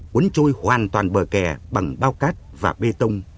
cuốn trôi hoàn toàn bờ kè bằng bao cát và bê tông